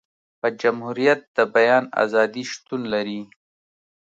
په جمهوريت د بیان ازادي شتون لري.